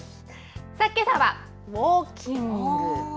けさはウォーキング。